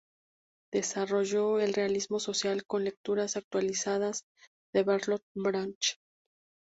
Desarrolló el realismo social con lecturas actualizadas de Bertolt Brecht.